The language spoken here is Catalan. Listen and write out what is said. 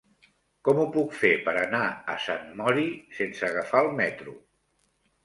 Com ho puc fer per anar a Sant Mori sense agafar el metro?